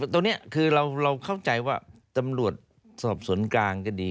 ตรงนี้คือเราเข้าใจว่าตำรวจสอบสวนกลางก็ดี